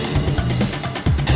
lo sudah bisa berhenti